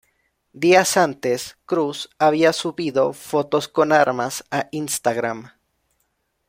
Días antes, Cruz había subido fotos con armas a Instagram.